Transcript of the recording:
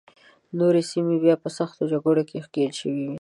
نورې سیمې بیا په سختو جګړو کې ښکېلې شوې وې.